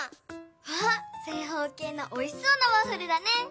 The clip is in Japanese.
わぁ正方形のおいしそうなワッフルだね！